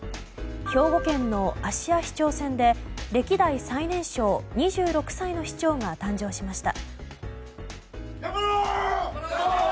兵庫県の芦屋市長選で歴代最年少２６歳の市長が誕生しました。